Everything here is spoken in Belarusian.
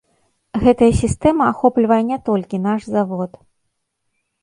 Гэтая сістэма ахоплівае не толькі наш завод.